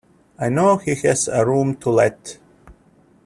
I know he has a room to let.